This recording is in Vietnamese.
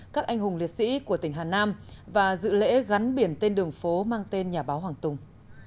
các anh hùng liệt sĩ của tỉnh hà nam và dự lễ gắn biển tên đường phố mang tên nhà báo hoàng tùng